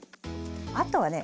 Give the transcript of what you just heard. あとはね